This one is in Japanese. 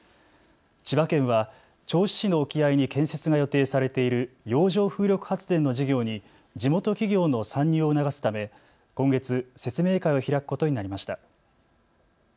千葉県は銚子市の沖合に建設が予定されている洋上風力発電の事業に地元企業の参入を促すため今月、説明会を開くことになりました。